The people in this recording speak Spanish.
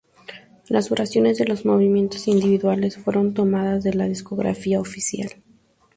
Las duraciones de los movimientos individuales fueron tomadas de la discografía oficial.